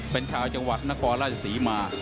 เป็นชาวจังหวัดนครราชศรีมา